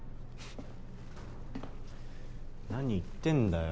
何言ってんだよ。